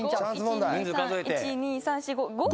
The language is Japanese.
１２３１２３４５５？